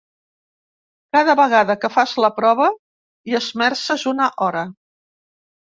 Cada vegada que fas la prova hi esmerces una hora.